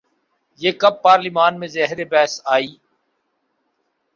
یہ کب پارلیمان میں زیر بحث آئی؟